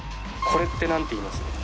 これってなんて言います？